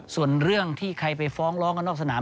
ส่วนเรื่องที่ใครไปฟ้องร้องกันนอกสนาม